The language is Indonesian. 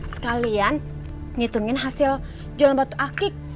sekalian ngitungin hasil jualan batu akik